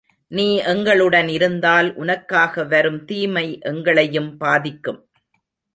நீ எங்களுடன் இருந்தால், உனக்காக வரும் தீமை எங்களையும் பாதிக்கும்.